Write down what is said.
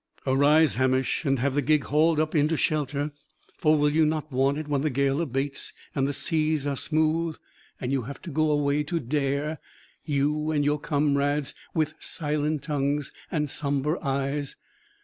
Arise, Hamish, and have the gig hauled up into shelter; for will you not want it when the gale abates, and the seas are smooth, and you have to go away, to Dare, you and your comrades, with silent tongues and sombre eyes?